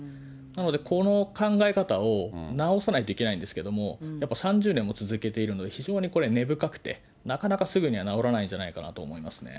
なので、この考え方を直さないといけないんですけども、やっぱ３０年も続けているので、非常にこれ、根深くて、なかなかすぐには直らないんじゃないかなと思いますね。